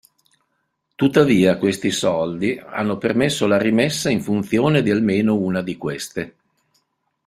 Tuttavia, questi soldi hanno permesso la rimessa in funzione di almeno una di queste.